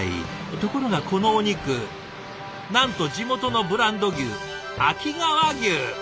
ところがこのお肉なんと地元のブランド牛秋川牛！